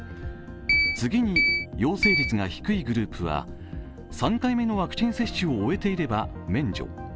次に陽性率が低いグループは３回目のワクチン接種を終えていれば免除。